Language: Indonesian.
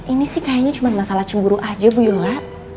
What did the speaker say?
ini sih kayaknya cuma masalah cemburu aja bu yola